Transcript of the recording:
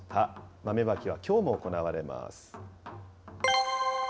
豆まきはきょうも行われます。